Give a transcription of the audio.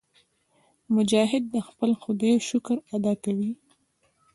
مجاهد د خپل خدای شکر ادا کوي.